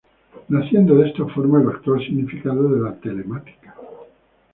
Naciendo de esta forma el actual significado de la telemática.